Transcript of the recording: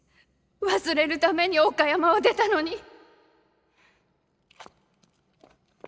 忘れるために岡山を出たのに。